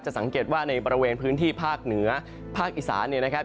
สังเกตว่าในบริเวณพื้นที่ภาคเหนือภาคอีสานเนี่ยนะครับ